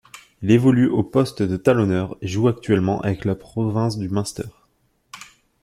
Il évolue au poste de talonneur et joue actuellement avec la province du Munster.